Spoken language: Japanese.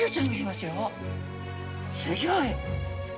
すギョい。